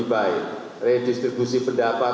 saya enggak bisa menjawab